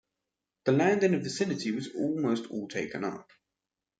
The land in the vicinity was almost all taken up.